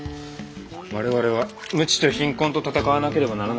我々は無知と貧困と闘わなければならない。